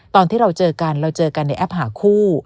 ตอนที่เราเจอกันเราเจอกันในแอปหาคู่